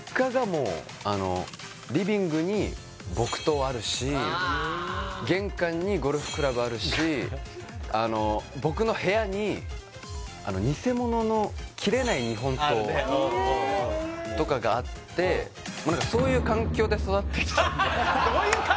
あのリビングに木刀あるし玄関にゴルフクラブあるしあの僕の部屋にあの偽物の切れない日本刀えーっとかがあってもう何かどういう環境だよ